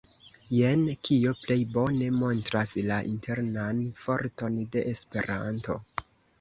Jen, kio plej bone montras la internan forton de Esperanto.